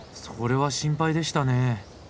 それは心配でしたね。